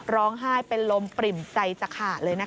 ร้องไห้เป็นลมปริ่มใจจะขาดเลยนะคะ